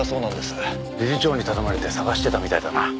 理事長に頼まれて捜してたみたいだな。